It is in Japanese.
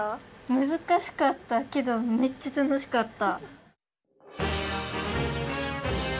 むずかしかったけどめっちゃたのしかった。